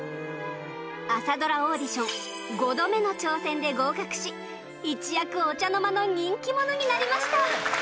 朝ドラオーディション５度目の挑戦で合格し一躍お茶の間の人気者になりました